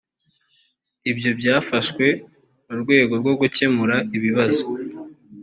ibyo byafashwe mu rwego rwo gukemura ibibazo.